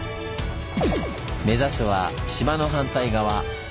目指すは島の反対側。